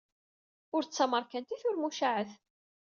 Ur d tameṛkantit, ur mucaɛet.